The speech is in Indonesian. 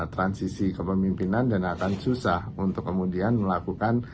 transisi kepemimpinan dan akan susah untuk kemudian melakukan